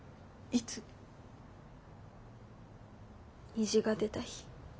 虹が出た日。